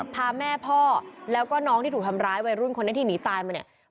พาแม่พ่อแล้วก็น้องที่ถูกทำร้ายวัยรุ่นคนนี้ที่หนีตายมาเนี่ย